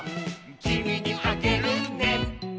「きみにあげるね」